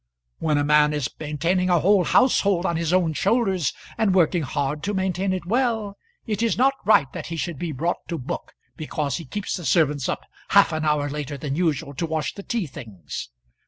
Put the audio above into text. When a man is maintaining a whole household on his own shoulders, and working hard to maintain it well, it is not right that he should be brought to book because he keeps the servants up half an hour later than usual to wash the tea things.